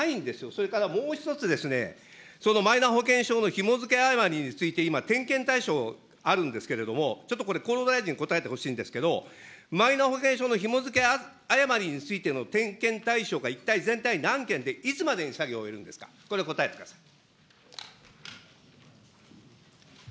それからもう一つですね、そのマイナ保険証のひも付け誤りについて今、点検対象あるんですけれども、ちょっとこれ、厚労大臣、答えてほしいんですけど、マイナ保険証のひも付け誤りについての点検対象が一体全体何件で、いつまでに作業を終えるんですか、これ、答えてください。